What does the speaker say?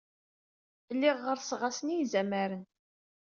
Lliɣ ɣerrseɣ-asen i yizamaren.